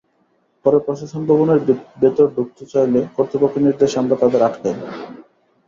পরে প্রশাসন ভবনের ভেতর ঢুকতে চাইলে কর্তৃপক্ষের নির্দেশে আমরা তাঁদের আটকাই।